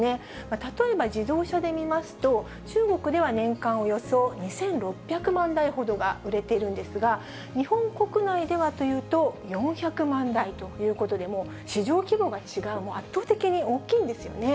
例えば自動車で見ますと、中国では年間およそ２６００万台ほどが売れているんですが、日本国内ではというと、４００万台ということで、もう市場規模が違う、圧倒的に大きいんですよね。